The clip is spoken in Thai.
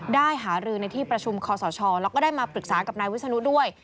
หารือในที่ประชุมคอสชแล้วก็ได้มาปรึกษากับนายวิศนุด้วย